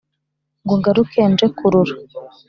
Ngo ngaruke nje kurora